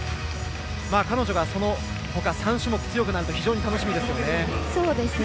彼女がそのほか３種目強くなると非常に楽しみですよね。